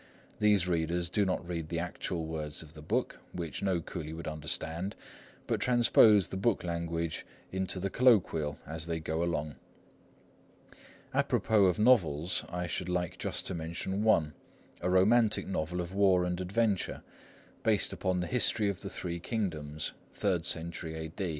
These readers do not read the actual words of the book, which no coolie would understand, but transpose the book language into the colloquial as they go along. À propos of novels, I should like just to mention one, a romantic novel of war and adventure, based upon the History of the Three Kingdoms, third century A.